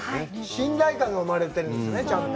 信頼感が生まれてるんですね、ちゃんと。